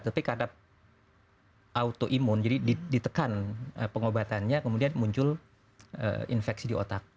tapi kadang auto imun jadi ditekan pengobatannya kemudian muncul infeksi di otak